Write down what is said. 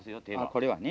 これはね。